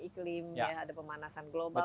iklim ada pemanasan global